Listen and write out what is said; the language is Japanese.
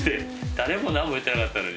誰もなんも言ってなかったのに。